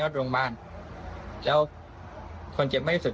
ครอบครัวอยู่มักไม่เยอะมาก